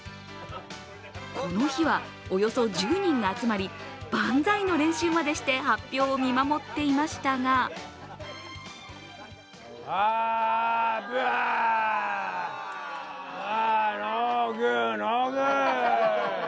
この日はおよそ１０人が集まり万歳の練習までして発表を見守っていましたがあーっ、ノー・グーッド、ノー・グーッド。